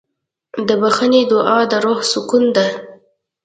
د بښنې دعا د روح سکون ده.